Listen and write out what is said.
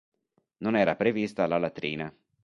Non era prevista la latrina.